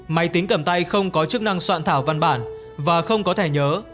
máy tính cầm tay không có chức năng soạn thảo văn bản và không có thể nhớ